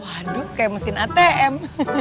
waduh kayak mesin atm